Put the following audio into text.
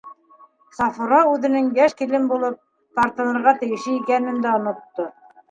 Сафура, үҙенең йәш килен булып, тартынырға тейеше икәнен дә онотто.